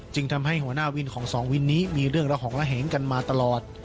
ทำให้หัวหน้าวินของสองวินนี้มีเรื่องระห่องระเหงกันมาตลอด